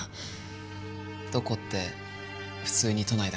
どこって普通に都内だけど。